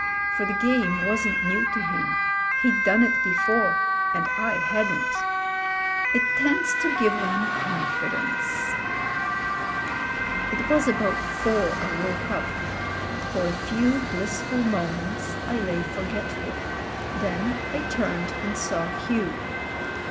For the game wasn't new to him — he'd done it before; and I hadn't. It tends to give one confi dence. ... It was about four I woke up. For a few blissful moments I lay forgetful ; then I turned and saw Hugh.